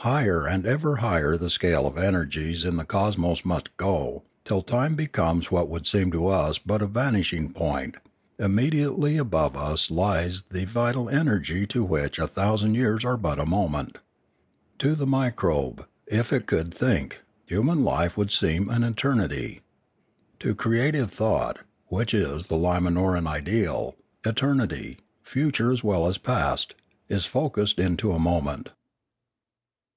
Higher and ever higher the scale of energies in the cosmos must go, till time becomes what would seem to us but a vanishing point; immediately above us lies the vital energy to which a thousand years are but as a moment. To the microbe, if it could think, human life would seem an eternity. To creative thought, which is the Limanoran ideal, eternity, future as well as past, is focussed into a moment.